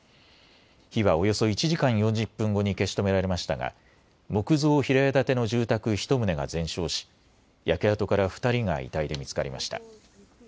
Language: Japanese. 火はおよそ１時間４０分後に消し止められましたが木造平屋建ての住宅１棟が全焼し焼け跡から２人が遺体で見つかりました。